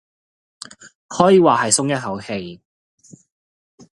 可以話係鬆一口氣